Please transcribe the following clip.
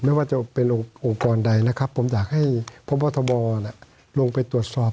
ไม่ว่าจะเป็นองค์กรใดนะครับผมอยากให้พบทบลงไปตรวจสอบ